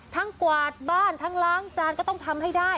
กวาดบ้านทั้งล้างจานก็ต้องทำให้ได้